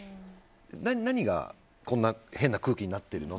何がこんな変な空気になってるの？